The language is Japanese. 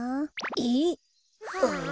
えっ？はあ。